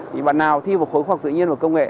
thì bạn nào thi vào khối khoa học tự nhiên và công nghệ